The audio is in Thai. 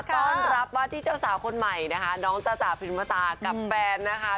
ต้อนรับว่าที่เจ้าสาวคนใหม่นะคะน้องจ้าจ๋พริมตากับแฟนนะคะ